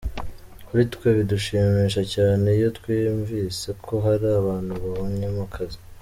Kuri twe bidushimisha cyane iyo twumvise ko hari abantu babonyemo akazi.